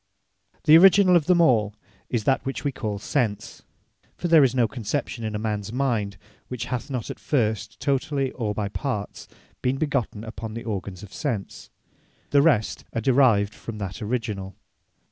The Originall of them all, is that which we call Sense; (For there is no conception in a mans mind, which hath not at first, totally, or by parts, been begotten upon the organs of Sense.) The rest are derived from that originall.